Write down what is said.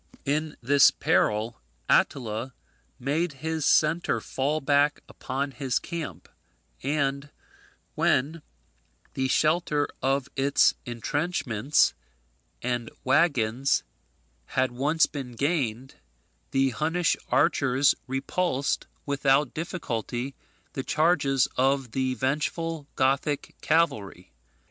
In this peril Attila made his centre fall back upon his camp; and when the shelter of its entrenchments and waggons had once been gained, the Hunnish archers repulsed, without difficulty, the charges of the vengeful Gothic cavalry.